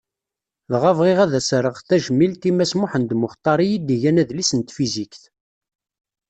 Dɣa bɣiɣ ad as-rreɣ tajmilt i Mass Muḥend Muxṭari i d-igan adlis n tfizikt.